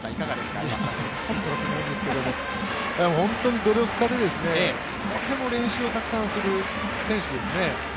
そんなことないんですけど、本当に努力家でとても練習をたくさんする選手ですね。